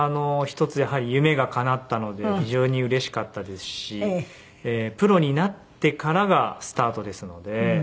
一つやはり夢がかなったので非常にうれしかったですしプロになってからがスタートですので。